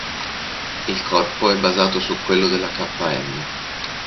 Il corpo è basato su quello della K-m.